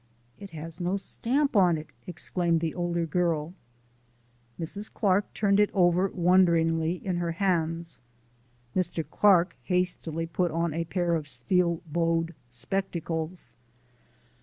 "It has no stamp on it!" exclaimed the older girl. Mrs. Clark turned it over wonderingly in her hands. Mr. Clark hastily put on a pair of steel bowed spectacles.